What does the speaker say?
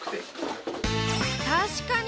確かに！